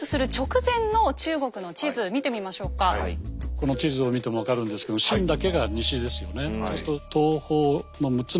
この地図を見ても分かるんですけど秦だけが西ですよね。